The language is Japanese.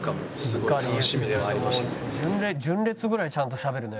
純烈ぐらいちゃんとしゃべるね。